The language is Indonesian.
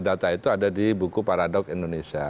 data itu ada di buku paradok indonesia